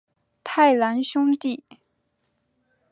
太郎兄弟。